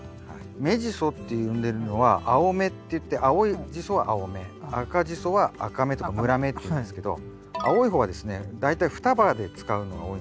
芽ジソって呼んでるのは青芽っていって青ジソは青芽赤ジソは赤芽とか紫芽っていうんですけど青い方はですね大体双葉で使うのが多いんですよ。